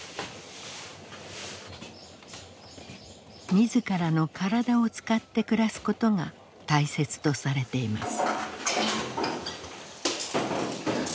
自らの体を使って暮らすことが大切とされています。